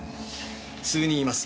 数人います。